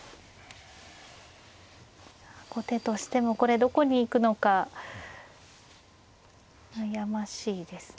後手としてもこれどこに行くのか悩ましいですね。